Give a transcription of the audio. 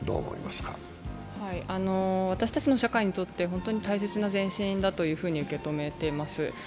私たちの社会にとって本当に大切な前進だと受け止めています。